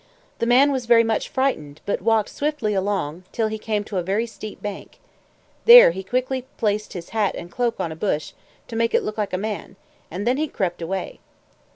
The man was very much frightened, but walked swiftly along till he came to a very steep bank; here he quickly placed his hat and cloak on a bush, to make it look like a man, and then he crept away.